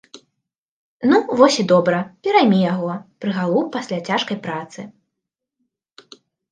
Ну, вось і добра, пераймі яго, прыгалуб пасля цяжкай працы.